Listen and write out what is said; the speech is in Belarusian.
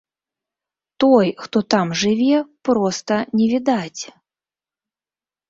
Той, хто там жыве, проста не відаць.